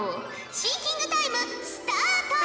シンキングタイムスタート！